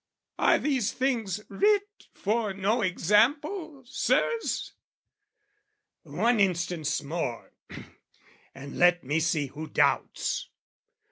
Are these things writ for no example, Sirs? One instance more, and let me see who doubts!